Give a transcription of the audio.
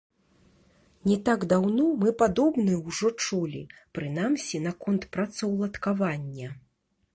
Не так даўно мы падобнае ўжо чулі, прынамсі, наконт працаўладкавання.